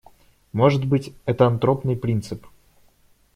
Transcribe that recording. Может быть, это антропный принцип.